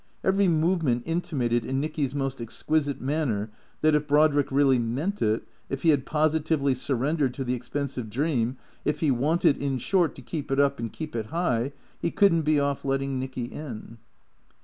Every movement intimated in Nicky's most exquisite manner that if Brodrick really meant it, if he had positively surrendered to the expensive dream, if he wanted, in short, to keep it up and keep it high, he could n't be off letting Nicky in.